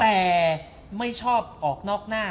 แต่ไม่ชอบออกนอกหน้า